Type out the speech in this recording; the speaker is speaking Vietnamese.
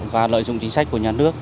và lợi dụng chính sách của nhà nước